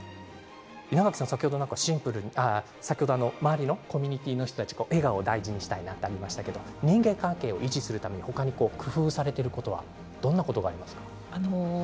稲垣さん、先ほど、周りのコミュニティーの人たちの笑顔を大事にしたいがありましたけれども人間関係を維持するために他に工夫されていることはどんなことがありますか？